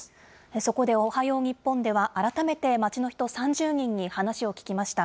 そこでおはよう日本では、改めて街の人３０人に話を聞きました。